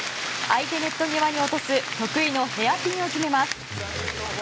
相手ネット際に落とす得意のヘアピンを決めます。